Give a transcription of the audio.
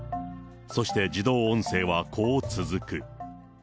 そして自動音声はこう続く。